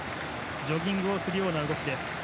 ジョギングをするような動きです。